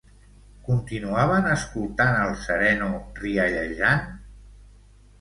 Continuaven escoltant al sereno riallejant?